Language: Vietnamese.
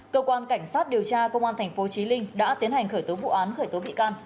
cơ quan cảnh sát điều tra công an tp chí linh đã tiến hành khởi tố vụ án khởi tố bị can